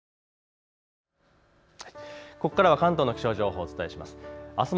ここからは関東の気象情報をお伝えします。